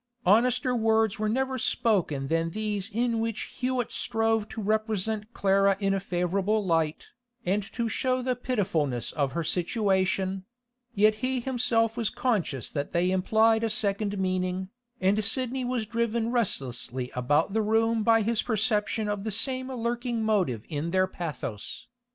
Honester words were never spoken than these in which Hewett strove to represent Clara in a favourable light, and to show the pitifulness of her situation; yet he himself was conscious that they implied a second meaning, and Sidney was driven restlessly about the room by his perception of the same lurking motive in their pathos.